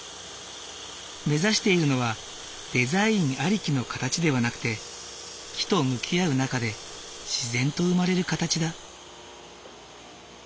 目指しているのはデザインありきの形ではなくて木と向き合う中で自然と生まれる形だ。